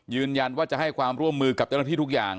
ยืนยันว่าจะให้ความร่วมมือกับเจ้าหน้าที่ทุกอย่าง